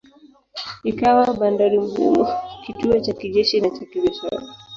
Ikawa bandari muhimu, kituo cha kijeshi na cha kibiashara.